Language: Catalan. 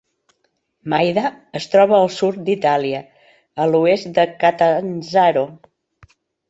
Maida es troba al sud d'Itàlia, a l'oest de Catanzaro.